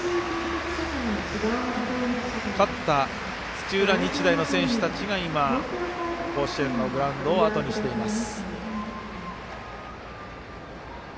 勝った土浦日大の選手たちが甲子園のグラウンドをあとにしています。